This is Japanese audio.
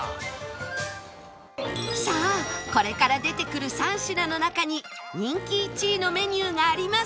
さあこれから出てくる３品の中に人気１位のメニューがあります